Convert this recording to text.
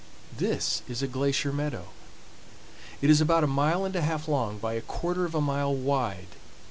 This is a glacier meadow. It is about a mile and a half long by a quarter of a mile wide.